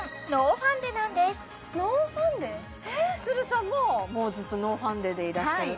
さんももうずっとノーファンデでいらっしゃる